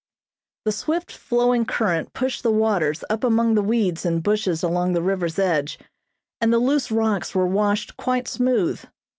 The swift flowing current pushed the waters up among the weeds and bushes along the river's edge and the loose rocks were washed quite smooth.